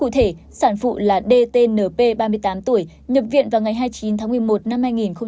cụ thể sản phụ là dtnp ba mươi tám tuổi nhập viện vào ngày hai mươi chín tháng một mươi một năm hai nghìn một mươi chín